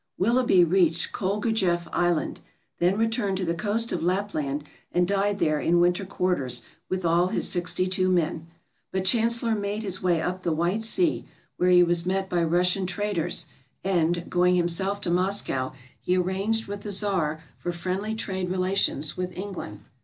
Willoughby reached Kolgujef Island, then returned to the coast of Lapland and died there in winter quarters with all his sixty two men; but Chancellor made his way up the White Sea, where he was met by Russian traders, and, going himself to Moscow, he arranged with the Czar for friendly trade relations with England.